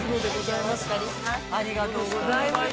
ありがとうございます。